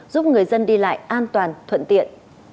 giúp người dân đi lại an toàn thuận tiện